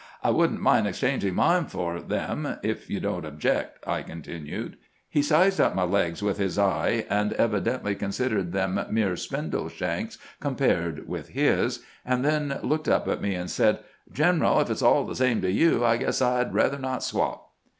* I would n't mind exchanging mine for them, if you don't object,' I continued. He sized up my legs with his eye, and evi dently considered them mere spindle shanks compared with his, and then looked up at me and said: 'Gen MEETING OF GRANT AND SHEEMAN AT CITY POINT 419 eral, if it 's all the same to you, I guess I 'd rather not swap.'